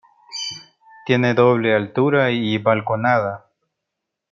Tiene doble altura y balconada.